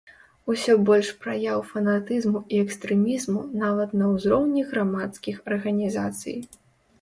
Усё больш праяў фанатызму і экстрэмізму нават на ўзроўні грамадскіх арганізацый.